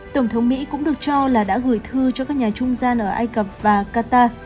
tổng thống mỹ cũng được cho là đã gửi thư cho các nhà trung gian ở ai cập và qatar